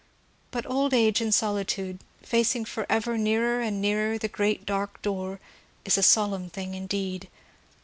But old age in solitude, facing forever nearer and nearer the great Dark Door, is a solemn thing in deed.